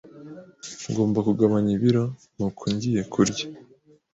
Ngomba kugabanya ibiro, nuko ngiye kurya.